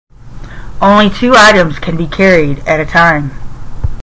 Only two items can be carried at a time.